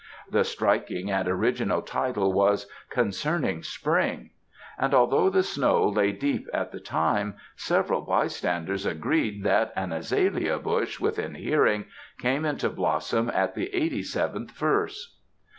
The striking and original title was 'Concerning Spring,' and although the snow lay deep at the time several bystanders agreed that an azalea bush within hearing came into blossom at the eighty seventh verse."